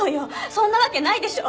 そんなわけないでしょ！